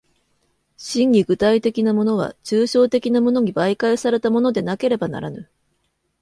真に具体的なものは抽象的なものに媒介されたものでなければならぬ。